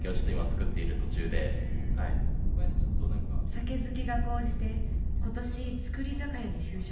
酒好きが高じて今年造り酒屋に就職した彼。